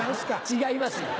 違いますよ！